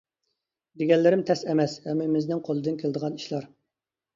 دېگەنلىرىم تەس ئەمەس، ھەممىمىزنىڭ قولىدىن كېلىدىغان ئىشلار.